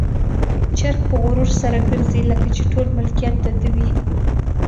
چرګ په غرور سره ګرځي، لکه چې ټول ملکيت د ده وي.